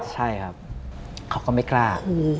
ใช่ครับเขาก็ไม่กล้า